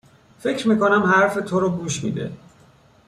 فکر می کنم حرف تو رو گوش می ده